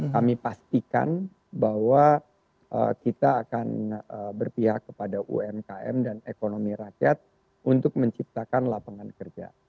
kami pastikan bahwa kita akan berpihak kepada umkm dan ekonomi rakyat untuk menciptakan lapangan kerja